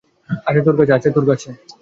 আছে তোর কাছে?